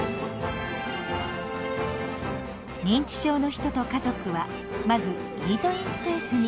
認知症の人と家族はまずイートインスペースに。